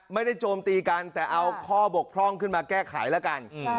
โจมตีกันแต่เอาข้อบกพร่องขึ้นมาแก้ไขแล้วกัน